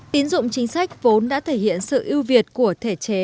tín dụng chính sách vốn đã thể hiện sự ưu việt của thể chế